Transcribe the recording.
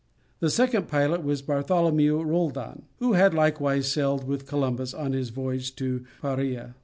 The second pilot was Bartholomew Roldan, who had likewise sailed with Columbus on his voyage to Paria.